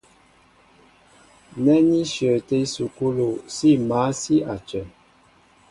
Nɛ́ ní shyəətɛ́ ísukúlu, sí mǎl sí a cə.